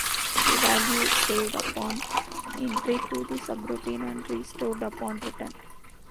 The value is saved upon entry to the subroutine and restored upon return.